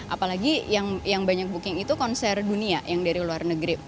apalagi yang banyak booking itu konser dunia yang dari luar negeri